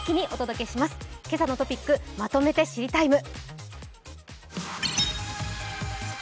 「けさのトピックまとめて知りＴＩＭＥ，」